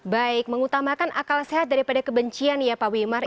baik mengutamakan akal sehat daripada kebencian ya pak wimar